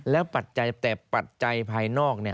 แล้วปัจจัยแต่ปัจจัยภายนอก